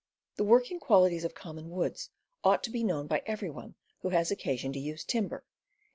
The working qualities of common woods ought to be known by every one who has occasion to use timber, and ^